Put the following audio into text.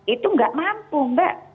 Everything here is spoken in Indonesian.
itu tidak mampu mbak